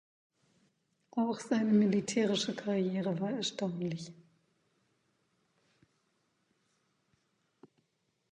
Auch seine militärische Karriere war erstaunlich.